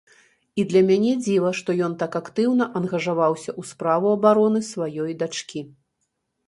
І для мяне дзіва, што ён так актыўна ангажаваўся ў справу абароны сваёй дачкі.